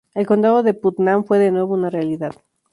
El condado de Putnam fue de nuevo una realidad.